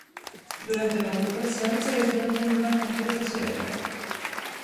Durante la ocupación, se aisló en una completa soledad.